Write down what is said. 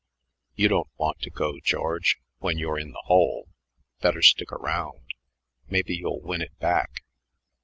"You don't want to go, George, when you're in the hole. Better stick around. Maybe you'll win it back.